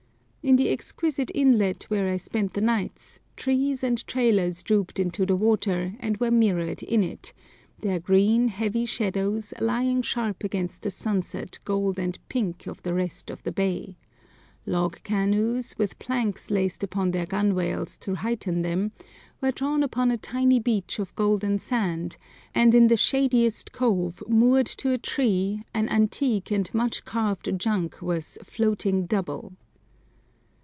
In the exquisite inlet where I spent the night, trees and trailers drooped into the water and were mirrored in it, their green, heavy shadows lying sharp against the sunset gold and pink of the rest of the bay; log canoes, with planks laced upon their gunwales to heighten them, were drawn upon a tiny beach of golden sand, and in the shadiest cove, moored to a tree, an antique and much carved junk was "floating double."